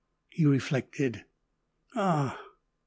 He reflected. "Ah!"